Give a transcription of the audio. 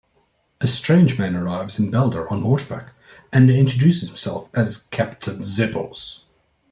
A strange man arrives in Belder on horseback, and introduces himself as Captain Zeppos.